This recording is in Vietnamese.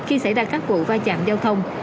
khi xảy ra các vụ va chạm giao thông